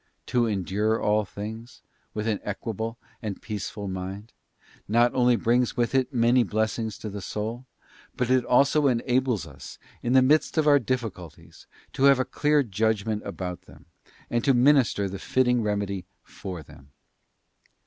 To endure all things, with an equable and peaceful mind, not only brings with it many blessings to the soul; but it also enables us, in the midst of our difficulties, to have a clear judgment about them, and to minister the fitting remedy for them.